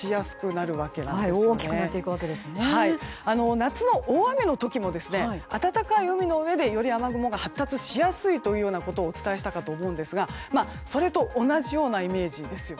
夏の大雨の時も暖かい海の上でより雨雲が発達しやすいとお伝えしたかと思うんですがそれと同じようなイメージです。